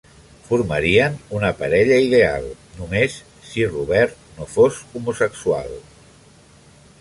Formarien una parella ideal, només si Robert no fos homosexual.